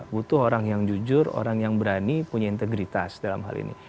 butuh orang yang jujur orang yang berani punya integritas dalam hal ini